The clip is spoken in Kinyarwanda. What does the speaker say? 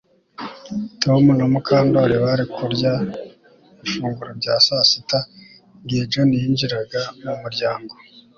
Tom na Mukandoli bari kurya ifunguro rya saa sita igihe John yinjiraga mu muryango